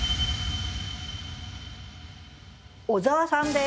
小沢さんです。